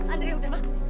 andre udah cukup